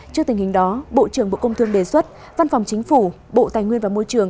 trước tình hình đó bộ trưởng bộ công thương đề xuất văn phòng chính phủ bộ tài nguyên và môi trường